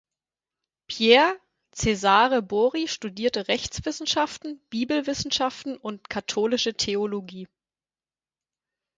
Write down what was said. Pier Cesare Bori studierte Rechtswissenschaften, Bibelwissenschaften und Katholische Theologie.